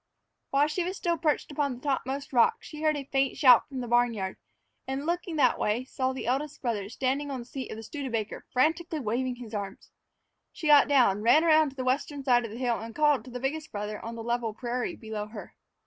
While she was still perched upon the topmost rock, she heard a faint shout from the farm yard, and looking that way, saw the eldest brother standing on the seat of the Studebaker, frantically waving his arms. She got down, ran around to the western side of the hill, and called to the biggest brother on the level prairie below her.